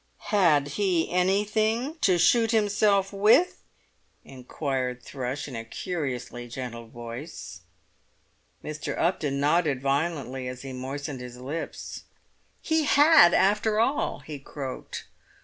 "Had he anything to shoot himself with?" inquired Thrush, in a curiously gentle voice. Mr. Upton nodded violently as he moistened his lips. "He had, after all!" he croaked.